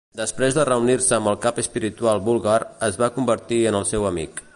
Després de reunir-se amb el cap espiritual búlgar, es va convertir en el seu amic.